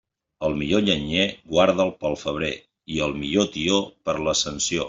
El millor llenyer, guarda'l per al febrer, i el millor tió, per a l'Ascensió.